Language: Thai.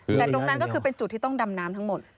แต่ตรงนั้นก็คือเป็นจุดที่ต้องดำน้ำทั้งหมด